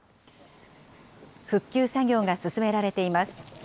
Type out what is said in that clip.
復旧作業が進められています。